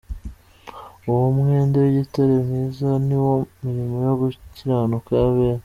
Uwo mwenda w'igitare mwiza ni wo mirimo yo gukiranuka y'abera.